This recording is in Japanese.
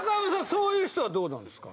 そういう人はどうなんですか？